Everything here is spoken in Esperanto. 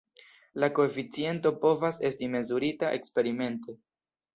La koeficiento povas esti mezurita eksperimente.